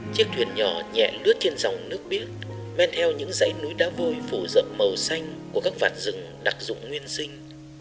chiếc thuyền nhỏ nhẹ lướt trên dòng nước biếc men theo những dãy núi đá vôi phủ rộng màu xanh của các vạt rừng đặc dụng nguyên sinh